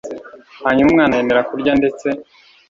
Hanyuma umwana yemera kurya ndetse